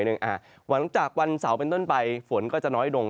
หลังจากวันเสาร์เป็นต้นไปฝนก็จะน้อยลง